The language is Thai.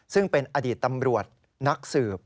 ซึ่งเป็นอดีตตำรวจนักสืบ